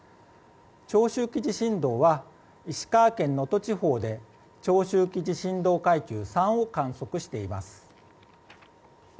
長周期地震動は石川県能登地方で長周期地震動階級３を観測しています。